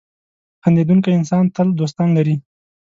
• خندېدونکی انسان تل دوستان لري.